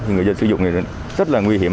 người dân sử dụng rất nguy hiểm